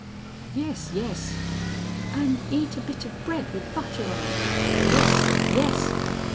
"Yes, yes." "And eat a bit of bread with butter on it?" "Yes, yes."